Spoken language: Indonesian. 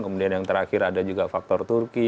kemudian yang terakhir ada juga faktor turki